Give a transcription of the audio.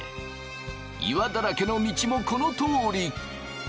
岩だらけの道もこのとおり！